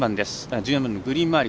１４番のグリーン周り